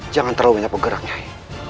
jangan terlalu banyak pergerak kak vm